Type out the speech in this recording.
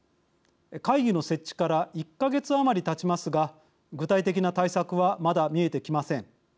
会議の設置から１か月余りたちますが具体的な対策はまだ見えてきません。